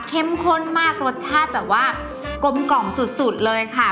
เข้มข้นมากรสชาติแบบว่ากลมกล่อมสุดเลยค่ะ